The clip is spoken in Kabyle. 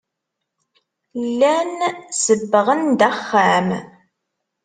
Llan sebbɣen-d axxam.